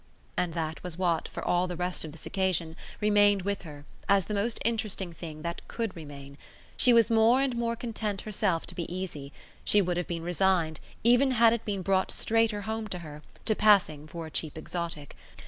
And that was what, for all the rest of this occasion, remained with her as the most interesting thing that COULD remain. She was more and more content herself to be easy; she would have been resigned, even had it been brought straighter home to her, to passing for a cheap exotic.